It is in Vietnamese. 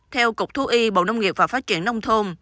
theo cục thu y bộ nông nghiệp và phát triển nông thôn